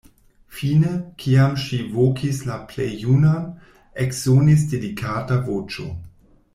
Fine, kiam ŝi vokis la plej junan, eksonis delikata voĉo.